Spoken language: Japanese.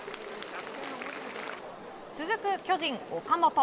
続く巨人、岡本。